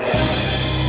menikahkanmu sama indira